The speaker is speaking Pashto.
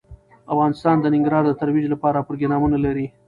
افغانستان د ننګرهار د ترویج لپاره پروګرامونه لري.